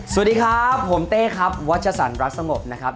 สวัสดีครับผมเต้ครับวัชสันรัฐสงบนะครับ